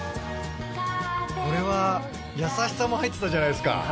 これは優しさも入ってたじゃないですか。